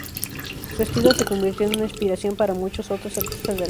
Su estilo se convirtió en una inspiración para muchos otros artistas de Argelia.